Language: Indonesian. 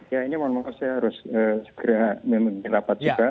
ya ini mohon maaf saya harus segera merapat juga